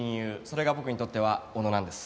それが僕にとっては小野なんです。